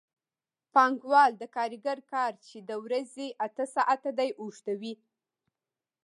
پانګوال د کارګر کار چې د ورځې اته ساعته دی اوږدوي